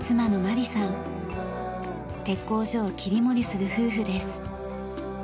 鉄工所を切り盛りする夫婦です。